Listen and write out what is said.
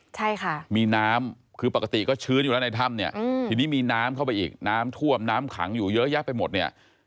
ใช่ค่ะมีน้ำคือปกติก็ชื้นอยู่แล้วในถ้ำเนี่ยทีนี้มีน้ำเข้าไปอีกน้ำท่วมน้ำขังอยู่เยอะแยะไปหมดเนี่ย